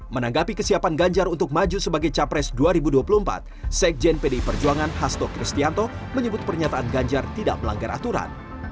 menanggapi kesiapan ganjar untuk maju sebagai capres dua ribu dua puluh empat sekjen pdi perjuangan hasto kristianto menyebut pernyataan ganjar tidak melanggar aturan